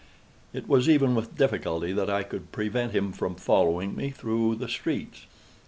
It was even with difficulty that I could prevent him from following me through the streets.